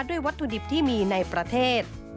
วัตถุดิบที่มีในประเทศ